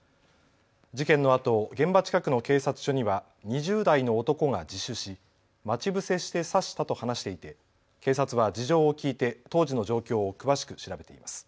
事件のあと現場近くの警察署には２０代の男が自首し待ち伏せして刺したと話していて警察は事情を聞いて当時の状況を詳しく調べています。